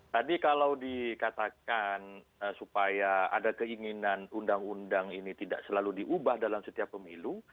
tadi kalau dikatakan supaya ada keinginan undang undang ini tidak selalu diubah dalam setiap pemilu